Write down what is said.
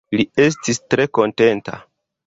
Li estis tre kontenta.